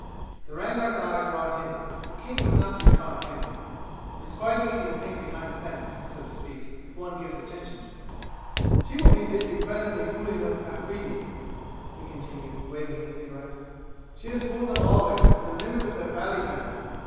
The Rangar's eyes were on his, but King was not to be caught again. It is quite easy to think behind a fence, so to speak, if one gives attention to it. "She will be busy presently fooling those Afridis," he continued, waving his cigarette. "She has fooled them always, to the limit of their bally bent.